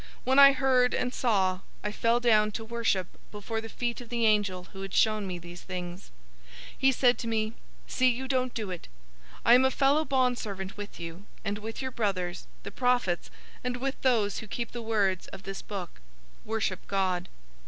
When I heard and saw, I fell down to worship before the feet of the angel who had shown me these things. 022:009 He said to me, "See you don't do it! I am a fellow bondservant with you and with your brothers, the prophets, and with those who keep the words of this book. Worship God."